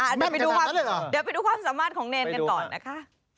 เดี๋ยวไปดูความสามารถของเนรนกันต่อนะคะ